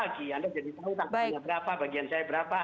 anda jadi tahu tanggalnya berapa bagian saya berapa